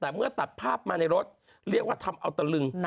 แต่เมื่อตัดภาพมาในรถเรียกว่าทำเอาตะลึง